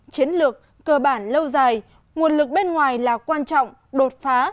chiến lược cơ bản lâu dài nguồn lực bên ngoài là quan trọng đột phá